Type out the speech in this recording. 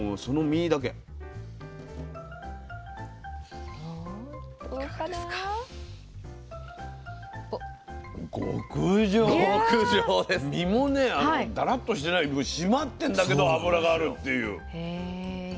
身もねだらっとしてない締まってんだけど脂があるっていう。